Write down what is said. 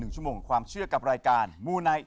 ชั่วโมงของความเชื่อกับรายการมูไนท์